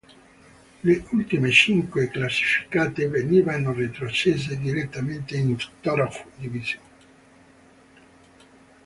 Le ultime cinque classificate venivano retrocesse direttamente in Vtoroj divizion.